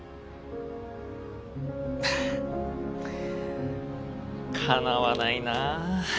はぁかなわないな。